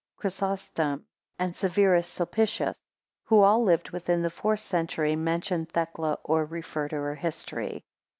Chrysostom, and Severus Sulpitius, who all lived within the fourth century mention Thecla or refer to her history.